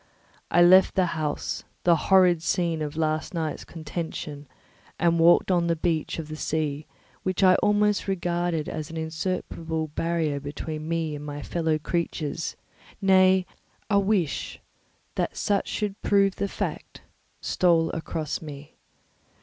I left the house, the horrid scene of the last night's contention, and walked on the beach of the sea, which I almost regarded as an insuperable barrier between me and my fellow creatures; nay, a wish that such should prove the fact stole across me.